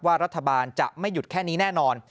รัฐบาลจะไม่หยุดแค่นี้แน่นอน